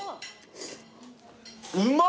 うまっ！